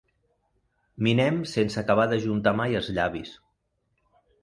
Minem sense acabar d'ajuntar mai els llavis.